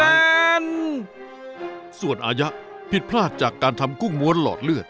ส่วนอายะผิดพลาดจากการทำกุ้งม้วนหลอดเลือด